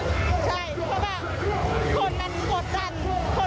ใช่เพราะว่าคนมันกดรันคนมันอยากเล่น